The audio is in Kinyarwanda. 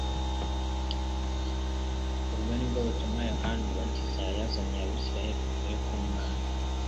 Ubwo ni bwo butumwa Yohana Umubatiza yazaniye Abisirayeli buvuye ku Mana.